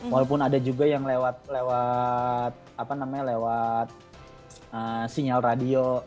walaupun ada juga yang lewat sinyal radio